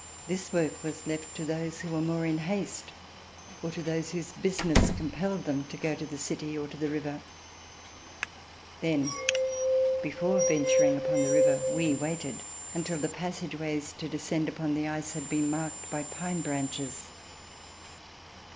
This work was left to those who were more in haste, or to those whose business compelled them to go to the city or to the river. Then before venturing upon the river, we waited until the passageways to descend upon the ice had been marked by pine branches.